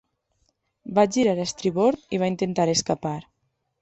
Va girar a estribord i va intentar escapar.